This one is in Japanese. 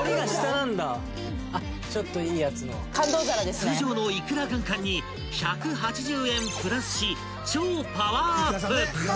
［通常のいくら軍艦に１８０円プラスし超パワーアップ］